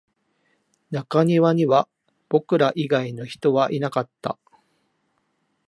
中庭には僕ら以外の人はいなかった